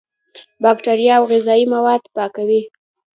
بکتریا او غذایي مواد پاکوي.